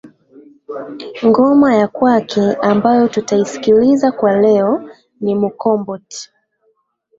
ngoma ya kwake ambayo tutaisikiliza kwa leo ni mukomboti